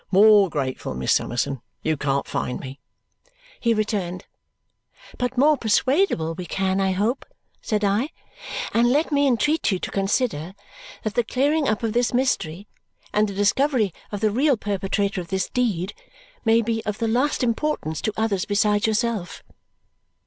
"More grateful, Miss Summerson, you can't find me," he returned. "But more persuadable we can, I hope," said I. "And let me entreat you to consider that the clearing up of this mystery and the discovery of the real perpetrator of this deed may be of the last importance to others besides yourself."